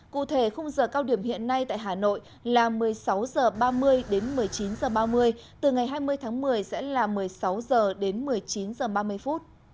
cụ thể khung giờ cao điểm hiện nay tại hà nội là một mươi sáu h ba mươi đến một mươi chín h ba mươi từ ngày hai mươi tháng một mươi sẽ là một mươi sáu h đến một mươi chín h ba mươi phút